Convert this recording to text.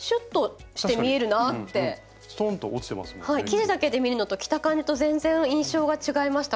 生地だけで見るのと着た感じと全然印象が違いました。